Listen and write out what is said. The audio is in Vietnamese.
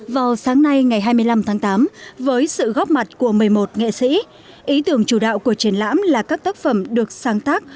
vào sáng nay ngày hai mươi năm tháng tám với sự góp mặt của một mươi một nghệ sĩ ý tưởng chủ đạo của triển lãm là các tác phẩm được sáng tác